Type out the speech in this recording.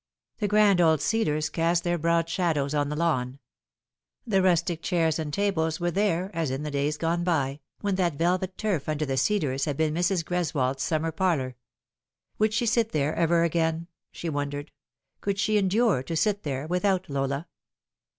The grand old cedars cast their broad shadows on the lawn. The rustic chairs and tables were there, as in the days gone by, when that velvet turf under the cedars had been Mrs. G reswold's summer parlour. Would she sit there ever again ? she wondered : could she endure to sit there without Lola